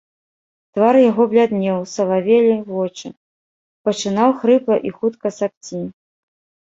Твар яго бляднеў, салавелі вочы, пачынаў хрыпла і хутка сапці.